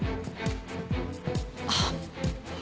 あっ。